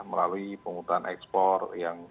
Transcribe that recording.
melalui pengumpulan ekspor yang